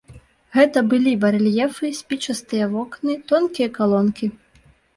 Гэта былі барэльефы, спічастыя вокны, тонкія калонкі.